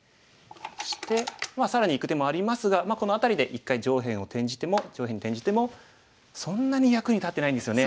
そしてまあ更にいく手もありますがこの辺りで一回上辺に転じてもそんなに役に立ってないんですよね。